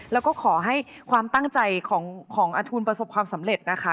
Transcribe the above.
แล้วก็ขอให้ความตั้งใจของอทูลประสบความสำเร็จนะคะ